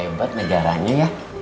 hebat negaranya ya